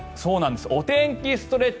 「お天気ストレッチ」